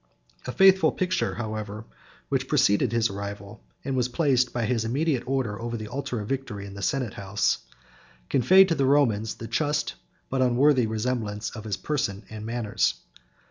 A faithful picture, however, which preceded his arrival, and was placed by his immediate order over the altar of Victory in the senate house, conveyed to the Romans the just but unworthy resemblance of his person and manners.